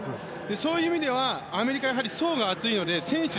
そういう意味ではアメリカはやはり層が厚いので選手